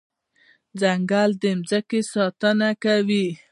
ځنګل د ځمکې ساتنه کوي.